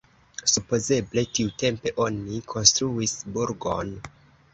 Supozeble tiutempe oni konstruis burgon.